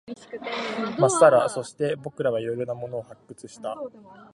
まっさら。そして、僕らは色々なものを発掘した。